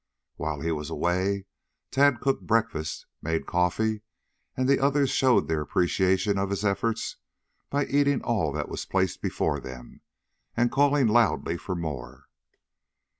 While he was away Tad cooked breakfast, made coffee and the others showed their appreciation of his efforts by eating all that was placed before them and calling loudly for more.